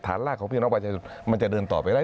ลากของพี่น้องประชาชนมันจะเดินต่อไปได้